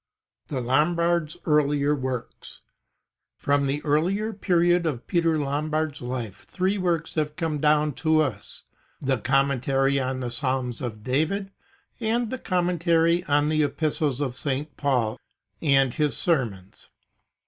3. THE LOMBARD^S EARLIER WORKS From the earlier period of Peter Lombard's life three works have come down to us : the Commentary on the Psalms of David, the Commentary on the Epistles of St. Paul, and his Sermons.